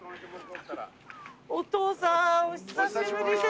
お父さんお久しぶりです。